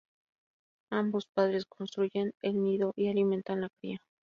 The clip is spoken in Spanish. Ambos padres construyen el nido y alimentan la cría.